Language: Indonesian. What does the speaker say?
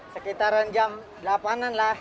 sekitaran jam delapan an lah